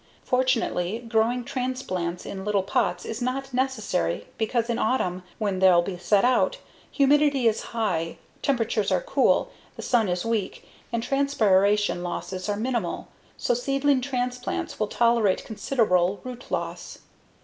Fortunately, growing transplants in little pots is not necessary because in autumn, when they'll be set out, humidity is high, temperatures are cool, the sun is weak, and transpiration losses are minimal, so seedling transplants will tolerate considerable root loss.